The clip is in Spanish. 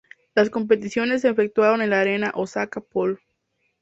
Las competiciones se efectuaron en la Arena Osaka Pool.